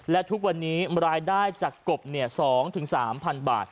และทุกวันนี้รายได้จากกบเนี่ย๒๓พันบาท